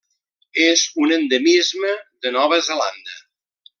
És un endemisme de Nova Zelanda.